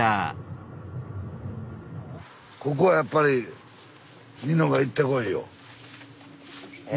ここはやっぱりニノが行ってこいよ。え？